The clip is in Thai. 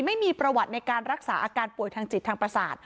ไม่มีประวัติในการรักษาอาการป่วยทางจิตทางประสาท